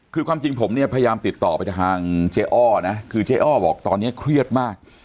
คือความจริงผมเนี่ยพยายามติดต่อไปทางเจ๊อ้อนะคือเจ๊อ้อบอกตอนนี้เครียดมาก